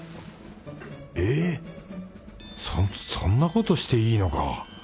えっそそんなことをしていいのか。